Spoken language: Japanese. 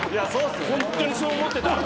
ほんとにそう思ってた。